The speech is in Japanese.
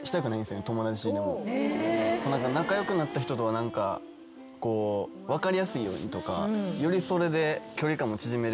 仲良くなった人とは分かりやすいようにとかよりそれで。